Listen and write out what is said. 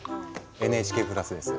ＮＨＫプラスです。